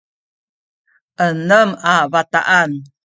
enem a bataan